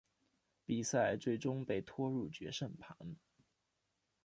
比赛最终被拖入决胜盘。